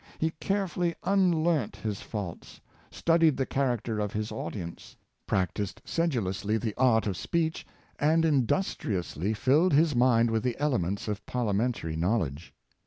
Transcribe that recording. He carefully unlearnt his faults, studied the character of his audience, practised sedulously the art of speech, and industriously filled his mind with the elements of parliamentary knowledge.